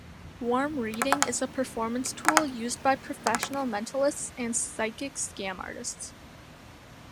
Warm reading is a performance tool used by professional mentalists and psychic scam artists.